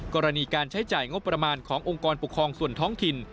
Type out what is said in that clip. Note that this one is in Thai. กรณีการใช้จ่ายงบประมาณขององค์กรปกครองส่วนท้องถิ่น